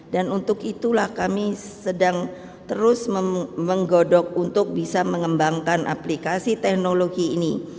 dan untuk itulah kami sedang terus menggodok untuk bisa mengembangkan aplikasi teknologi ini